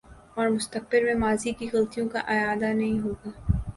اورمستقبل میں ماضی کی غلطیوں کا اعادہ نہیں ہو گا۔